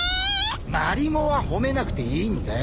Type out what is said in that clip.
［マリモは褒めなくていいんだよ］